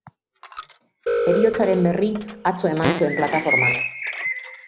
Heriotzaren berri atzo eman zuen plataformak.